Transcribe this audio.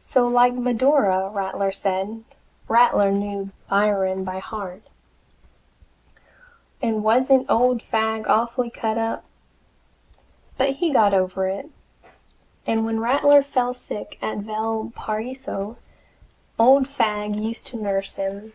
So like "Medora," Rattler said Rattler knew Byron by heart and wasn't old Fagg awfully cut up? But he got over it, and when Rattler fell sick at Valparaiso, old Fagg used to nurse him.